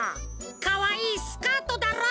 かわいいスカートだろ？